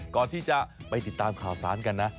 ก่อนที่จะไปติดตามข่าวสารกันนะ